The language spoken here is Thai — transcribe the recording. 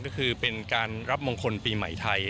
ก็คือเป็นการรับมงคลปีใหม่ไทย